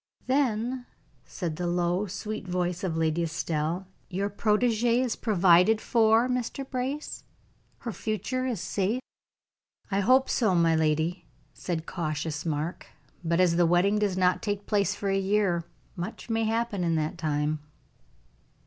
"Then," said the low, sweet voice of Lady Estelle, "your protegee is provided for, Mr. Brace? Her future is safe?" "I hope so, my lady," said cautious Mark. "But as the wedding does not take place for a year, much may happen in that time."